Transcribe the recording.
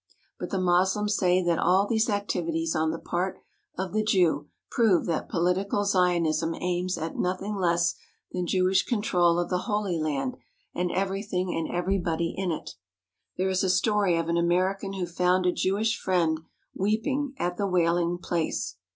But the Moslems say that all these activities on the part of the Jew prove that political Zionism aims at nothing less than Jewish control of the Holy Land and everything and everybody in it. There is a story of an American who found a Jewish friend weeping at the "Wailing Place."